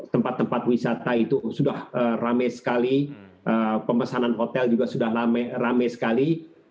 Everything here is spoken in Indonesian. tempat tempat wisata itu sudah rame sekali pemesanan hotel juga sudah rame sekali